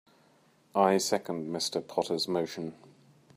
I second Mr. Potter's motion.